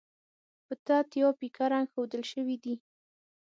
په تت یا پیکه رنګ ښودل شوي دي.